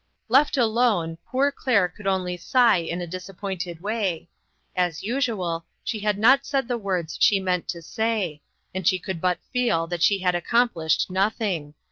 Left alone, poor Claire could only sigh in a disappointed way ; as usual, she had not said the words she meant to say, and she could but feel that she had accomplished nothing.